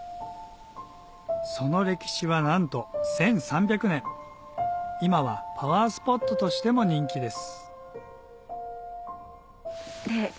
その歴史はなんと１３００年今はパワースポットとしても人気です